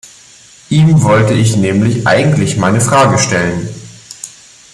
Ihm wollte ich nämlich eigentlich meine Frage stellen.